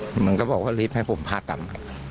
เหมือนก็บอกว่ารีบให้ผมพาต่ำ